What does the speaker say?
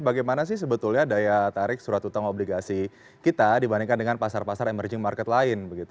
bagaimana sih sebetulnya daya tarik surat utang obligasi kita dibandingkan dengan pasar pasar emerging market lain